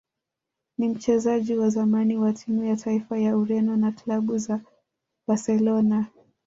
ni mchezaji wa zamani wa timu ya taifa ya Ureno na klabu za Barcelona